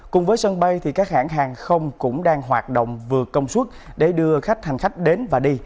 cùng với sân bay thì các hãng hàng không cũng đang hoạt động vừa công suất để đưa khách hành khách đến và đi